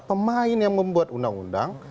pemain yang membuat undang undang